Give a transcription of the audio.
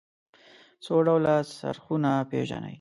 څو ډوله څرخونه پيژنئ.